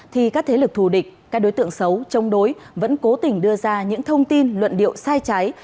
thì các thế lực thù địch các đối tượng xấu chống đối vẫn cố tình đưa ra những thông tin luận điệu sai trái